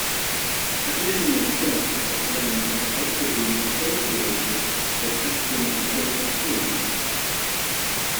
Additional tracts of land have also been appropriated for testing and further cleanup.